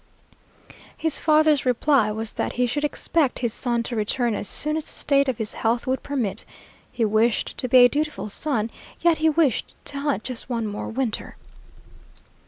His father's reply was that he should expect his son to return as soon as the state of his health would permit. He wished to be a dutiful son, yet he wished to hunt just one more winter.